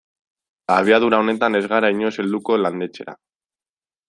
Abiadura honetan ez gara inoiz helduko landetxera.